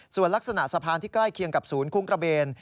ส่วนลักษณะสะพานที่ใกล้เคียงกับศูนย์คุ้งกระเบน